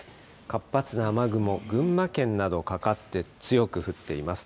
活発な雨雲、群馬県などかかって、強く降っています。